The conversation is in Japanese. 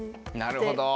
なるほど。